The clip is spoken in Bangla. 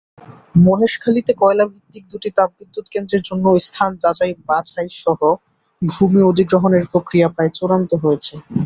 মহেশখালীতে কয়লাভিত্তিক দুটি তাপবিদ্যুৎকেন্দ্রের জন্য স্থান যাচাই-বাছাইসহ ভূমি অধিগ্রহণের প্রক্রিয়া প্রায় চূড়ান্ত হয়েছে।